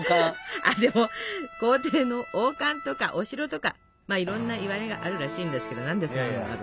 あでも皇帝の王冠とかお城とかいろんないわれがあるらしいんですけど何でそんなのがあるの？